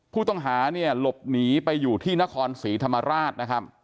ผู้ต้องหาเนี่ยหลบหนีไปอยู่ที่นครศรีธรรมราชนะครับ